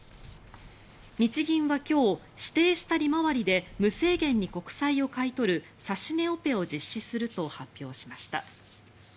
日銀は今日指定した利回りで無制限に国債を買い取る指し値オペを実施すると発表しました。